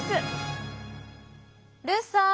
ルースさん！